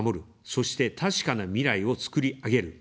そして、確かな未来を、創りあげる。